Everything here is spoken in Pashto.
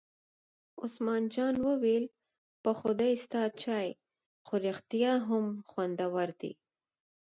عثمان جان وویل: په خدای ستا چای خو رښتیا هم خوندور دی.